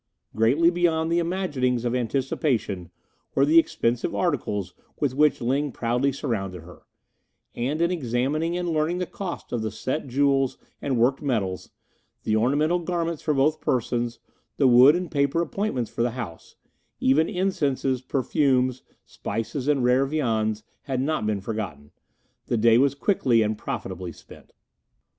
Greatly beyond the imaginings of anticipation were the expensive articles with which Ling proudly surrounded her; and in examining and learning the cost of the set jewels and worked metals, the ornamental garments for both persons, the wood and paper appointments for the house even incenses, perfumes, spices and rare viands had not been forgotten the day was quickly and profitably spent.